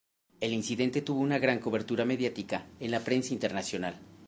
El incidente tuvo una gran cobertura mediática en la prensa internacional.